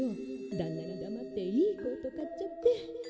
だんなにだまっていいコート買っちゃって。